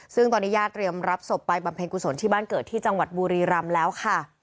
ซึ่งตอนนี้ญาติเตรียมรับศพไปบำเพ็ญกุศลที่บ้านเกิดที่จังหวัดบุรีรำแล้วค่ะ